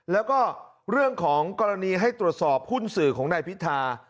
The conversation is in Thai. แล้วก็เรื่องของกรณีให้ตรวจสอบหุ้นสื่อของนายพิธา